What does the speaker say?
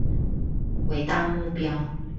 偉大目標